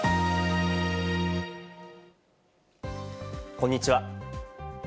こんにちは。